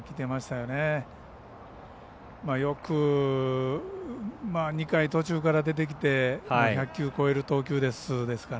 よく２回途中から出てきて１００球超える投球数ですから